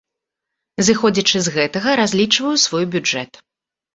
Зыходзячы з гэтага, разлічваю свой бюджэт.